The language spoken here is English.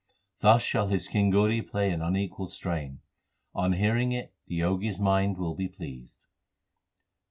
Thus shall his kinguri play an unequalled strain : On hearing it the Jogi s mind will be pleased.